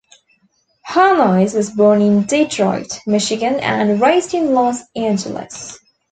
Harnois was born in Detroit, Michigan, and raised in Los Angeles.